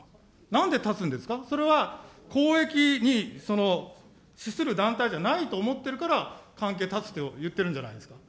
なんで断つんですか、それは、公益に資する団体じゃないと思っているから、関係を断つと言ってるんじゃないですか。